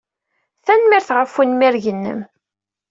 Tanemmirt ɣef unmireg-nnem.